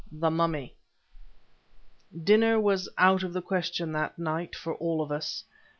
THE MUMMY Dinner was out of the question that night for all of us.